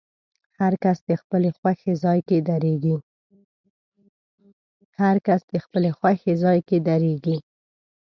هر کس د خپلې خوښې ځای کې درېږي.